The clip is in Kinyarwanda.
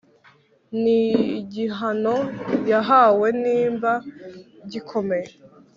ni gihano yahawe nimba gikomeye